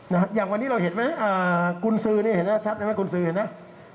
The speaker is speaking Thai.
นะฮะอย่างวันนี้เราเห็นไหมอ่ากุญซื้อนี่เห็นไหมชัดไหมกุญซื้อเห็นไหม